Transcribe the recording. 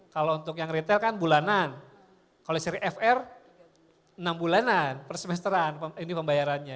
kalau untuk yang retail kan bulanan kalau seri fr enam bulanan per semesteran ini pembayarannya